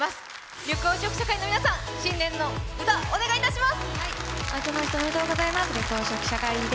緑黄色社会の皆さん、新年の歌、よろしくお願いします。